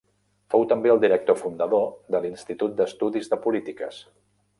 Fou també el director fundador de l'Institut d'estudis de polítiques.